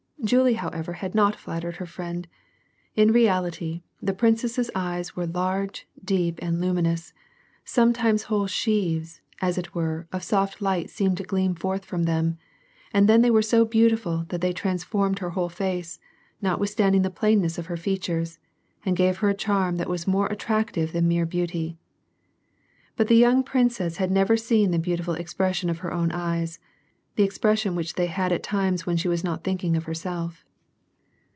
Julie, however, had not flattered her friend : in reality, the princess's eyes were large, deep, and luminous, sometimes whole sheaves, as it were, of soft light seemed to gleam forth from them ; and then they were so beautiful that they transformed her whole face, notwithstanding the plainness of her features, and gave her a charm that was more attractive than mere beauty. But the young princess had never seen the beautiful expres sion of her own eyes, the expression which they had at times when she was not thinking of herself.